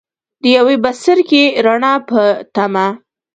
د یو بڅرکي ، رڼا پۀ تمه